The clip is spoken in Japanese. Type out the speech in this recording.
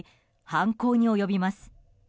犯行に及びます。